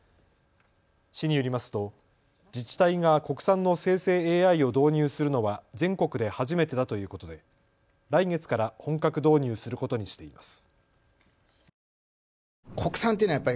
市によりますと自治体が国産の生成ＡＩを導入するのは全国で初めてだということで来月から本格導入することにしています。